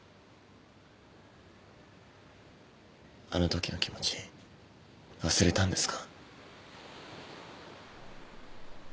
あのときの気持ち忘れたんですか？